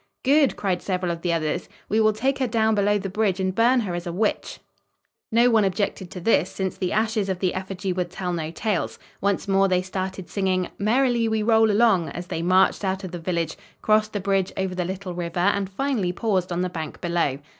"Good!" cried several of the others. "We will take her down below the bridge and burn her as a witch." No one objected to this, since the ashes of the effigy would tell no tales. Once more they started singing: "Merrily we roll along!" as they marched out of the village, crossed the bridge over the little river and finally paused on the bank below.